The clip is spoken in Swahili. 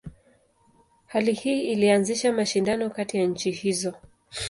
Hali hii ilianzisha mashindano kati ya nchi hizo.